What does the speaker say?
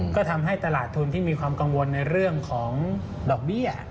ก็ทำให้ตลาดทุนที่มีความกังวลในเรื่องของดอกเบี้ย